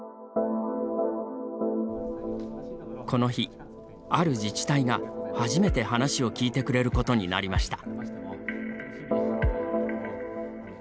この日、ある自治体が初めて話を聞いてくれることになりました。